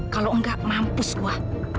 kalau enggak mampus gue